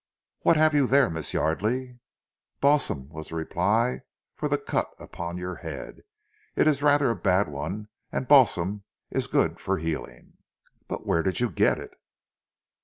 "What have you there, Miss Yardely?" "Balsam," was the reply, "for the cut upon your head. It is rather a bad one, and balsam is good for healing." "But where did you get it?"